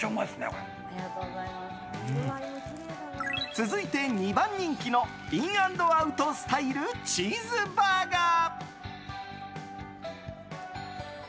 続いて、２番人気のイン・アンド・アウトスタイルチーズバーガー。